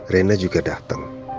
rena juga datang